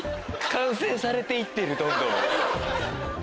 ⁉完成されていってるどんどん。